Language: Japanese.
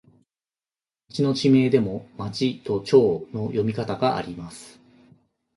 町の地名でも、まちとちょうの読み方があります。